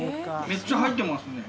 めっちゃ入ってますね。